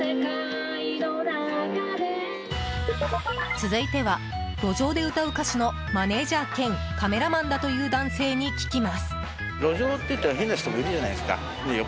続いては、路上で歌う歌手のマネジャー兼カメラマンだという男性に聞きます。